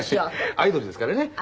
アイドルですからね。